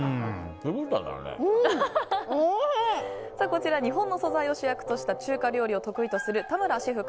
こちら日本の素材を主役とした中華料理を得意とする田村シェフ